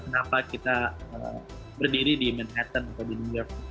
kenapa kita berdiri di manhattan atau di new york